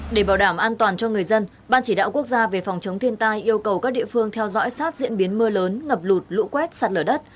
để bảo đảm an toàn cho người dân ban chỉ đạo quốc gia về phòng chống thiên tai yêu cầu các địa phương theo dõi sát diễn biến mưa lớn ngập lụt lũ quét sạt lở đất